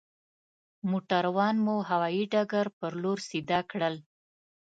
موټران مو هوايي ډګر پر لور سيده کړل.